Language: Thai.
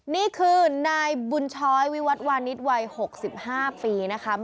นี่คือนายบุญช้อยวิวัตวานิสวัย๖๕ปีนะคะ